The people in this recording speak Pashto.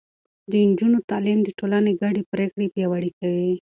د نجونو تعليم د ټولنې ګډې پرېکړې پياوړې کوي.